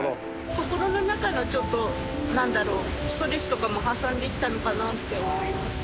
心の中のちょっと、なんだろう、ストレスとかも発散できたのかなって思います。